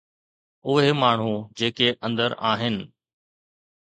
اهي ماڻهو جيڪي اندر آهن.